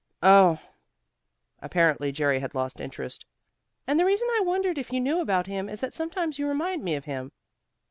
"Oh!" Apparently Jerry had lost interest. "And the reason I wondered if you knew about him is that sometimes you remind me of him."